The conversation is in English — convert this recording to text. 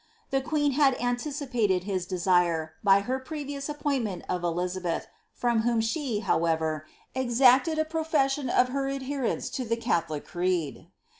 The queen had an Otipsted his desire, by her previous appointment of Elizabeth, from whoa she, however, exacted a profession of her adherence to the Catholic creed.